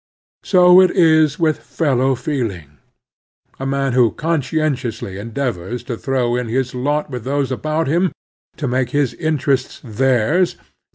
So it is with fellow feeling. A maSTwhcTcon scientiously endeavors to throw in his lot with rv^'' . ..J those about him, to make his interests theirs, to ^